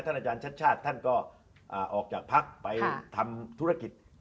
ท่านอาจารย์ชัดท่านก็ออกจากพักษ์ไปทำธุรกิจ